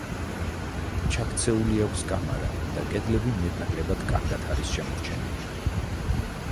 ჩაქცეული აქვს კამარა და კედლები მეტნაკლებად კარგად არის შემორჩენილი.